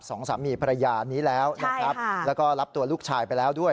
สองสามีภรรยานี้แล้วนะครับแล้วก็รับตัวลูกชายไปแล้วด้วย